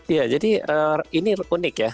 iya jadi ini unik ya